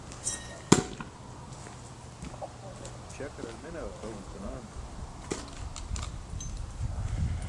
Śakrar mene ġaqaẏum senaan.